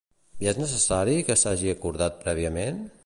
I és necessari que s'hagi acordat prèviament?